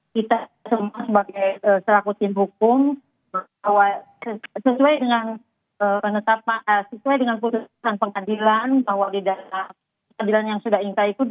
kita semua sebagai selaku tim hukum sesuai dengan penetapan sesuai dengan putusan pengadilan bahwa di dalam pengadilan yang sudah inkrah itu